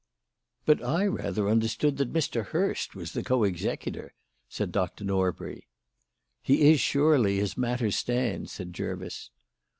"But I rather understood that Mr. Hurst was the co executor," said Dr. Norbury. "He is surely, as matters stand," said Jervis.